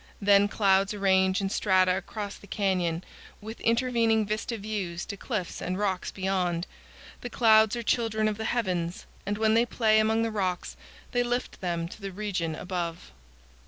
Then clouds arrange in strata across the canyon, with intervening vista views to cliffs and rocks beyond. The clouds are children of the heavens, and when they play among the rocks they lift them to the region above.